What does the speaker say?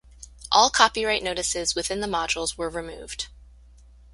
All copyright notices within the modules were removed.